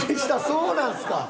そうなんですか？